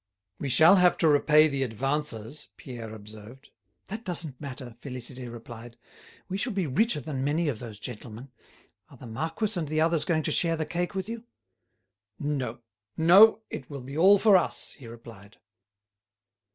"We shall have to repay the advances," Pierre observed. "That doesn't matter," Félicité replied, "we shall be richer than many of those gentlemen. Are the marquis and the others going to share the cake with you?" "No, no; it will be all for us," he replied.